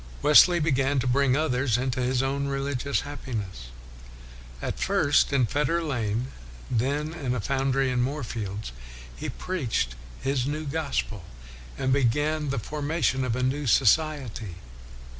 Wesley began to bring others into his own religious happi ness. At first in Fetter Lane, then in a foundry in Moorfields, he preached his new gospel, and began the formation of a new society.